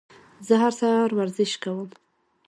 زه هر سهار ورزش کوم.